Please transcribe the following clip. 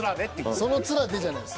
「そのツラで」じゃないです。